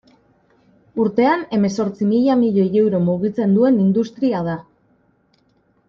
Urtean hemezortzi mila milioi euro mugitzen duen industria da.